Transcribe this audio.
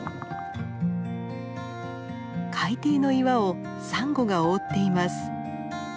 海底の岩をサンゴが覆っています。